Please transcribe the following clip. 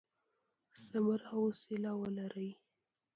صبر او حوصله ولرئ.